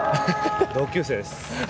同級生です。